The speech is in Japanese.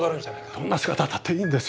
どんな姿だっていいんです。